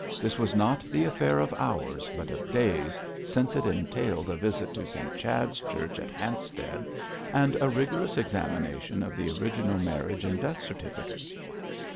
This was not the affair of hours, but of days, since it entailed a visit to St Chad's Church at Hampstead, and a rigorous examination of the original marriage and death certificates.